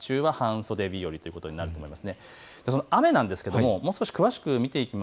日中は半袖日和ということになりそうです。